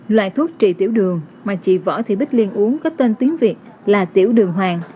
loại thuốc trị tiểu đường mà chị võ thị bích liên uống có tên tiếng việt là tiểu đường hoàng